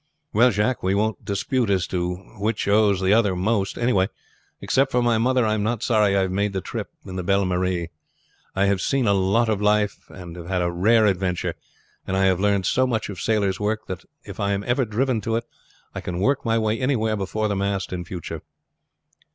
"Well, Jacques, we won't dispute as to which owes the other most. Anyhow, except for my mother, I am not sorry I have made the trip in the Belle Maire. I have seen a lot of life, and have had a rare adventure; and I have learned so much of sailor's work, that if I am ever driven to it I can work my way anywhere before the mast in future."